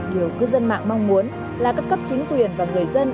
điều cư dân mạng mong muốn là các cấp chính quyền và người dân